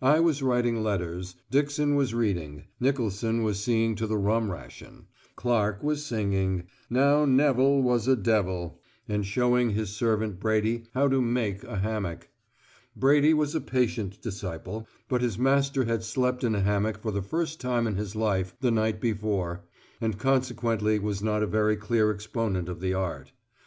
I was writing letters; Dixon was reading; Nicolson was seeing to the rum ration; Clark was singing, "Now Neville was a devil," and showing his servant Brady how to "make" a hammock. Brady was a patient disciple, but his master had slept in a hammock for the first time in his life the night before and consequently was not a very clear exponent of the art.